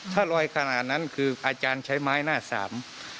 ถ้าลอยขนาดนั้นคืออาจารย์ใช้ไม้หน้าสาม